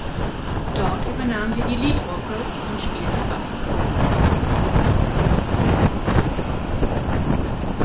Dort übernahm sie die Lead Vocals und spielt Bass.